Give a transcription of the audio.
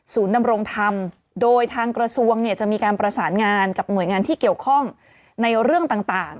ดำรงธรรมโดยทางกระทรวงเนี่ยจะมีการประสานงานกับหน่วยงานที่เกี่ยวข้องในเรื่องต่าง